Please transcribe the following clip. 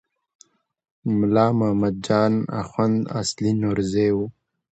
ملا محمد جان اخوند اصلاً نورزی و.